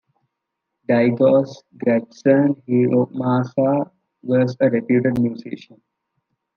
Daigo's grandson Hiromasa was a reputed musician.